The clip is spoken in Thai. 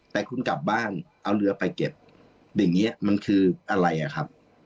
แต่คุณกลับบ้านเอาเรือไปเก็บอย่างนี้มันคืออะไรอ่ะครับ